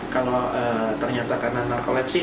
kalau ternyata karena narcolepsi